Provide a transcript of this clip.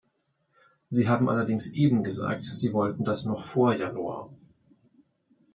Sie haben allerdings eben gesagt, Sie wollten das noch vor Januar.